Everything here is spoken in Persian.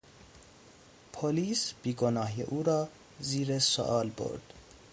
پلیس بیگناهی او را زیر سئوال برد.